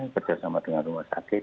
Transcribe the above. berjaya sama dengan rumah sakit